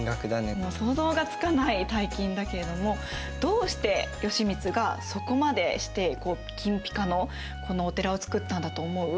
もう想像がつかない大金だけれどもどうして義満がそこまでして金ピカのこのお寺を造ったんだと思う？